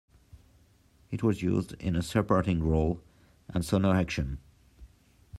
It was used in a supporting role, and saw no action.